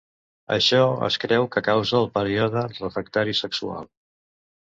Això es creu que causa el període refractari sexual.